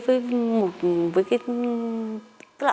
với một cái